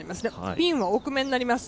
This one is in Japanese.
ピンは奥目になります。